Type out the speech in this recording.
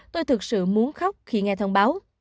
tôi thực sự muốn khóc khi nghe thông báo